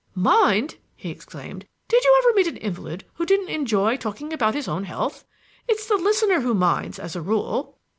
"Mind!" he exclaimed. "Did you ever meet an invalid who didn't enjoy talking about his own health? It's the listener who minds, as a rule."